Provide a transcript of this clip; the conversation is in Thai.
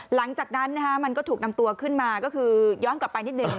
หลังจากนั้นมันก็ถูกนำตัวขึ้นมาก็คือย้อนกลับไปนิดหนึ่ง